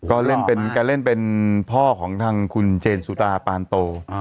ก็เล่นเป็นการเล่นเป็นพ่อของทางคุณเจนสุราปานโต